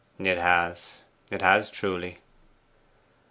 'It has it has, truly.